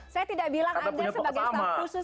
saya tidak bilang anda sebagai staff khusus